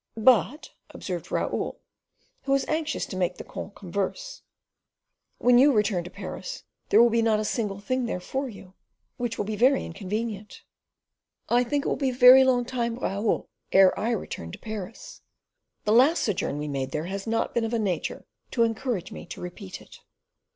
"But," observed Raoul, who was anxious to make the comte converse, "when you return to Paris, there will not be a single thing there for you which will be very inconvenient." "I think it will be a very long time, Raoul, ere I return to Paris. The last sojourn we have made there has not been of a nature to encourage me to repeat it."